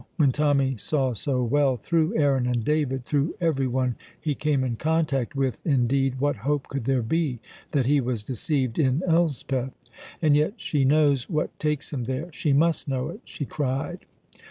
When Tommy saw so well through Aaron and David, through everyone he came in contact with, indeed, what hope could there be that he was deceived in Elspeth? "And yet she knows what takes him there; she must know it!" she cried.